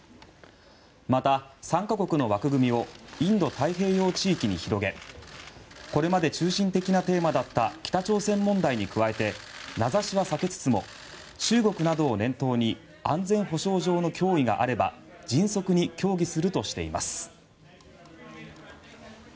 また、３か国の枠組みをインド太平洋地域に広げこれまで中心的なテーマだった北朝鮮問題に加えて名指しは避けつつも中国などを念頭に安全保障上の脅威があれば迅速に協議するとしています。